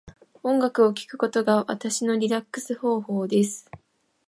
音楽を聴くことが私のリラックス方法です。